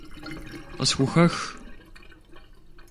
Къысхухэх!